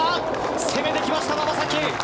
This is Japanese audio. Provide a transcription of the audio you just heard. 攻めてきました、馬場咲希！